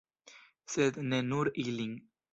Sed ne nur ilin.